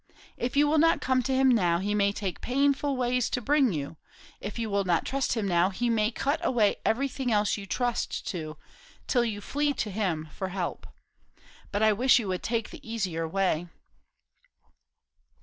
If you will not come to him now, he may take painful ways to bring you; if you will not trust him now, he may cut away everything else you trust to, till you flee to him for help. But I wish you would take the easier way."